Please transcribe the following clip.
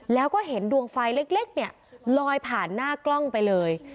แล้วก็เห็นดวงไฟเล็กเนี่ยลอยผ่านหน้ากล้องไปเลย